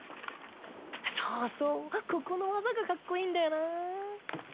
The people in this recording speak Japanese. そうそうここの技がかっこいいんだよなぁ。